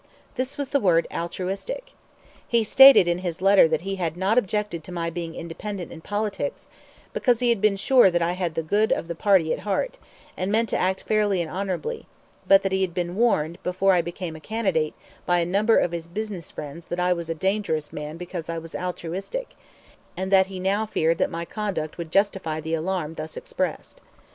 This was the word "altruistic." He stated in his letter that he had not objected to my being independent in politics, because he had been sure that I had the good of the party at heart, and meant to act fairly and honorably; but that he had been warned, before I became a candidate, by a number of his business friends that I was a dangerous man because I was "altruistic," and that he now feared that my conduct would justify the alarm thus expressed.